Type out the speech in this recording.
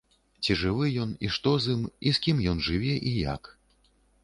Ці жывы ён, і што з ім, і з кім ён жыве, і як.